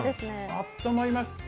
あったまります。